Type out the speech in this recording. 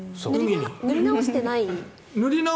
塗り直してないですね。